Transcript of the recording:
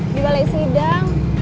di balai sidang